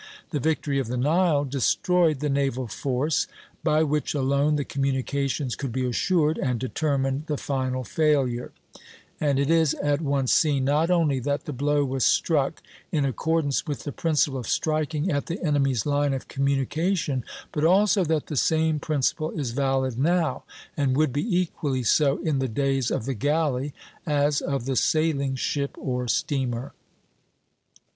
The victory of the Nile destroyed the naval force, by which alone the communications could be assured, and determined the final failure; and it is at once seen, not only that the blow was struck in accordance with the principle of striking at the enemy's line of communication, but also that the same principle is valid now, and would be equally so in the days of the galley as of the sailing ship or steamer.